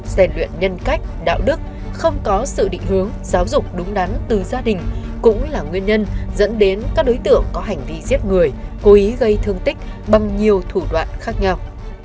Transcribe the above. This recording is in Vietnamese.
rèn luyện nhân cách đạo đức không có sự định hướng giáo dục đúng đắn từ gia đình cũng là nguyên nhân dẫn đến các đối tượng có hành vi giết người cố ý gây thương tích bằng nhiều thủ đoạn khác nhau